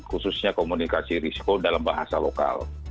khususnya komunikasi risiko dalam bahasa lokal